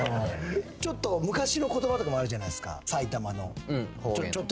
ちょっと昔の言葉とかもあるじゃないですか。